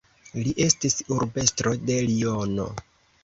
Li estis urbestro de Liono.